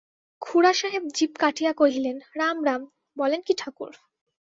খুড়াসাহেব জিভ কাটিয়া কহিলেন, রাম রাম, বলেন কী ঠাকুর?